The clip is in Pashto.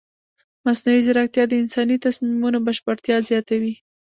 مصنوعي ځیرکتیا د انساني تصمیمونو بشپړتیا زیاتوي.